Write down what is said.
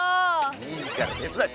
いいからてつだえ。